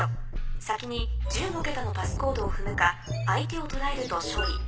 先に１５桁のパスコードを踏むか相手を捕らえると勝利。